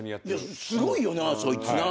すごいよなそいつな。